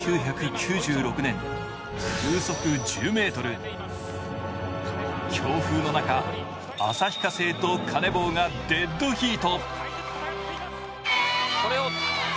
１９９６年、風速１０メートル、強風の中、旭化成と鐘紡がデッドヒート。